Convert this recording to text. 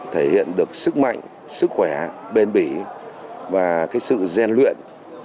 thể hiện được sức mạnh sức khỏe bền bỉ và sự gian luyện